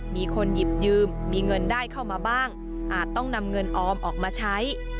มีคนหยิบยืมมีเงินได้เข้ามาบ้างอาจต้องนำเงินออมออกมาใช้